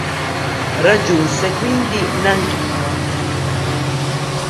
Raggiunse quindi Nanchino.